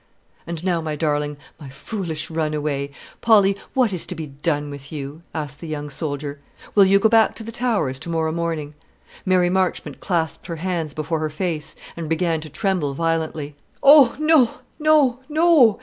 "And now my darling, my foolish run away Polly, what is to be done with you?" asked the young soldier. "Will you go back to the Towers to morrow morning?" Mary Marchmont clasped her hands before her face, and began to tremble violently. "Oh, no, no, no!"